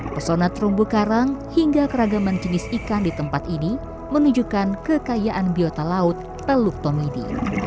pesona terumbu karang hingga keragaman jenis ikan di tempat ini menunjukkan kekayaan biota laut teluk tomidi